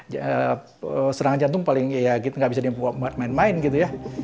ya serangan jantung paling ya gitu nggak bisa dimain main gitu ya